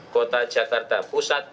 kota jakarta pusat